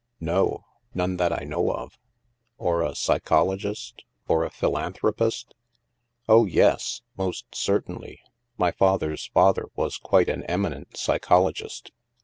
" No. None that I know of." Or a psychologist, or a philanthropist ?" Oh, yes! Most certainly. My father's father was quite an eminent psychologist.